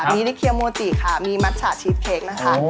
มีสีเคียวโมจีมีมัชชาชีชเคกนะคะ